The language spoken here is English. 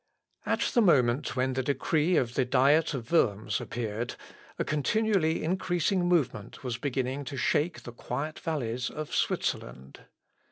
At the moment when the decree of the Diet of Worms appeared, a continually increasing movement was beginning to shake the quiet valleys of Switzerland.